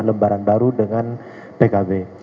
lembaran baru dengan pkb